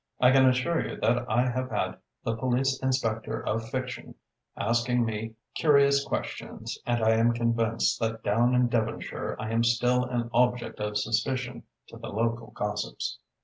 I can assure you that I have had the police inspector of fiction asking me curious questions and I am convinced that down in Devonshire I am still an object of suspicion to the local gossips."